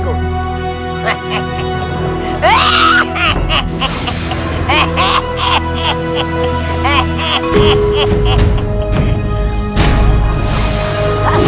kau tidak bisa lari dariku